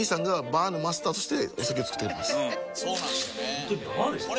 ホントにバーですね。